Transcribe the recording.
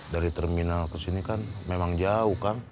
dari terminal ke sini kan memang jauh kan